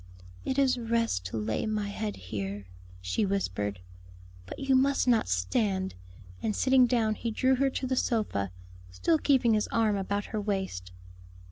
"It is rest to lay my head here," she whispered. "But you must not stand;" and sitting down he drew her to the sofa, still keeping his arm about her waist.